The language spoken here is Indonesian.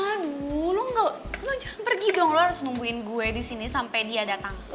aduh lo jangan pergi dong lo harus nungguin gue disini sampai dia datang